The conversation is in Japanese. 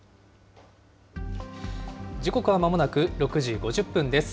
時刻はまもなく６時５０分です。